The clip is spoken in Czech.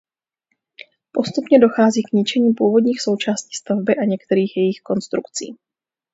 Postupně dochází k ničení původních součástí stavby a některých jejích konstrukcí.